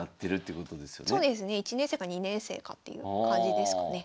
そうですね１年生か２年生かっていう感じですかね。